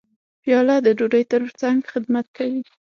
پیاله د ډوډۍ ترڅنګ خدمت کوي.